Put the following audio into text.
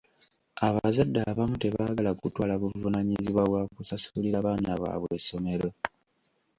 Abazadde abamu tebaagala kutwala buvunaanyizibwa bwa kusasulira baana baabwe ssomero .